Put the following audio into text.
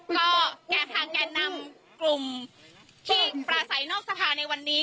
ก็เนี่ยทางแก่นำกลุ่มที่ปราศัยนอกสภาในวันนี้